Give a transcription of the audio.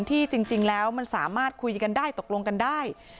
ที่จริงแล้วมันสามารถคุยกันได้ตกลงกันได้